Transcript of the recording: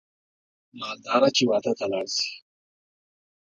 مالداره چې واده ته لاړ شي